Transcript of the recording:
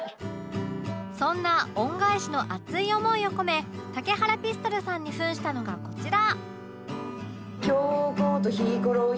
そんな恩返しの熱い思いを込め竹原ピストルさんに扮したのがこちら